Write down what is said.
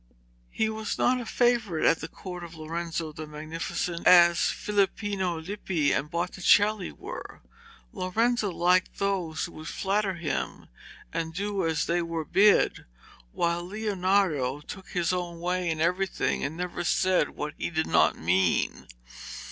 He was not a favourite at the court of Lorenzo the Magnificent as Filippino Lippi and Botticelli were. Lorenzo liked those who would flatter him and do as they were bid, while Leonardo took his own way in everything and never said what he did not mean.